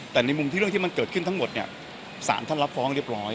แต่ในมุมที่เรื่องที่มันเกิดขึ้นทั้งหมดเนี่ยสารท่านรับฟ้องเรียบร้อย